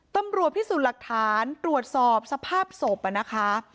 ตำรวจพิสูจน์หลักฐานตรวจสอบสภาพศพนะคะ